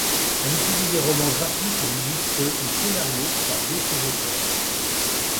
Elle y publie des romans graphiques et illustre des scénarios par d'autres auteurs.